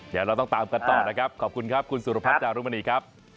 เดี๋ยวเราต้องตามกันต่อนะครับขอบคุณครับคุณสุรพัฒน์จารุมณีครับ